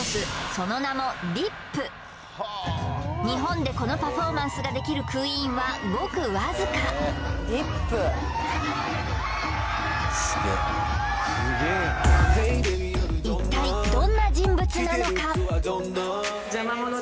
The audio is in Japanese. その名もＤｉｐ日本でこのパフォーマンスができるクイーンはごくわずか一体すいません